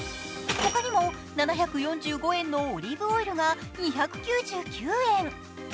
ほかにも７４５円のオリーブオイルが２９９円。